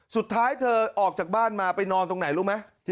สุดท้ายเธอออกจากบ้านมาไปนอนตรงไหนรู้ไหม